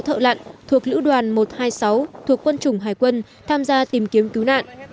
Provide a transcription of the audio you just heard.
hai mươi sáu thợ lạn thuộc lữ đoàn một trăm hai mươi sáu thuộc quân chủng hải quân tham gia tìm kiếm cứu nạn